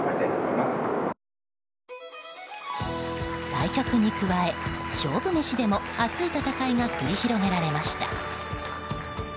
対局に加え、勝負メシでも熱い戦いが繰り広げられました。